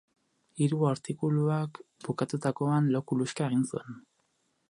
Hiru artikuluak bukatutakoan lo-kuluxka egin zuen.